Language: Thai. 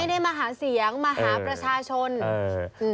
ไม่ได้มาหาเสียงมาหาประชาชน